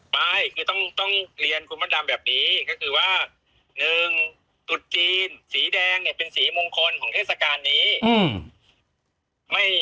เป็นสีมงคลของเทศกาลนี้